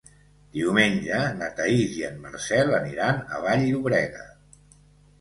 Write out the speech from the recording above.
Diumenge na Thaís i en Marcel aniran a Vall-llobrega.